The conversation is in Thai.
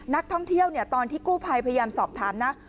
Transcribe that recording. นักท่องเที่ยวตอนที่กู้ภัยพยายามสอบถามนะ